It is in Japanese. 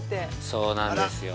◆そうなんですよ。